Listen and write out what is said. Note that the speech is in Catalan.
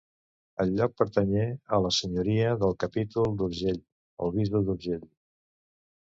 El lloc pertanyé a la senyoria del capítol d'Urgell, el bisbe d'Urgell.